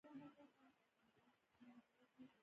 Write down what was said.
ایا زه باید پوډر وکاروم؟